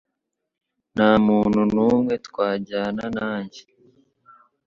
Nta muntu numwe twajyana nanjye